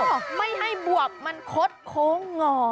โอ้ไม่ให้บวบมันคดโค้ง